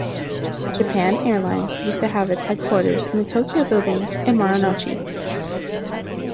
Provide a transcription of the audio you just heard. Japan Airlines used to have its headquarters in the Tokyo Building in Marunouchi.